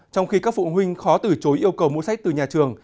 trong khi các phụ huynh khó từ chối yêu cầu mua sách từ nhà trường